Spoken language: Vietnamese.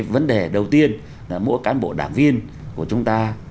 vấn đề đầu tiên là mỗi cán bộ đảng viên của chúng ta